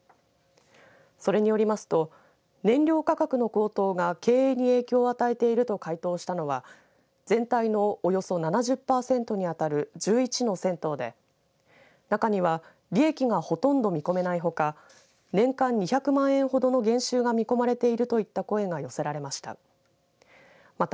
それによりますと燃料価格の高騰が経営に影響を与えていると回答したのは全体のおよそ７０パーセントに当たる１１の銭湯で中には利益がほとんど見込めないほか年間２００万円をほどの減収が見込まれているといった声が寄せられました。